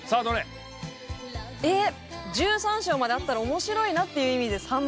１３章まであったら面白いなっていう意味で３番。